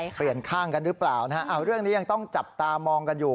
เปลี่ยนข้างกันหรือเปล่านะฮะเรื่องนี้ยังต้องจับตามองกันอยู่